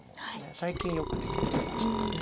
最近よくできる形です。